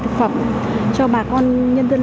thực phẩm cho bà con nhân dân